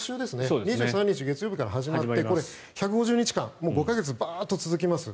２３日月曜日から始まって１５０日間５か月、バッと続きます。